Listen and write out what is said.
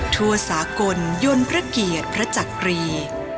ทั่วสากลยนต์พระเกียรติพระจักรี